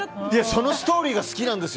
そのストーリーが好きなんです。